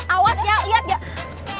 awas ya liat gak